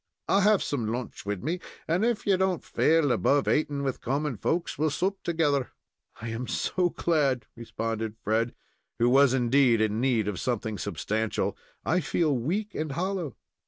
I have some lunch wid me, and if ye don't faal above ating with common folks, we'll sup together." "I am so glad," responded Fred, who was indeed in need of something substantial. "I feel weak and hollow."